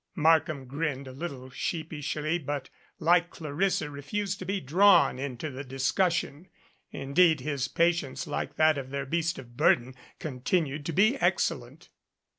Markham grinned a little sheepishly, but like Clarissa refused to be drawn into the discussion. Indeed, his pa tience, like that of their beast of burden, continued to be excellent.